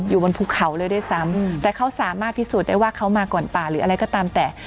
อยู่บนภูเขาเลยด้วยซ้ำแต่เขาสามารถพิสูจน์ได้ว่าเขามาก่อนป่าหรืออะไรก็ตามแต่